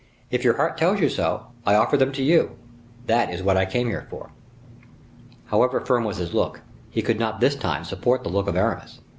If your heart tells you so, I offer them to you. That is what I came here for." However firm was his look, he could not this time support the look of Aramis.